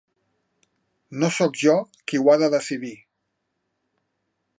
No soc jo qui ho ha de decidir.